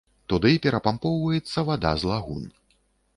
Туды перапампоўваецца вада з лагун.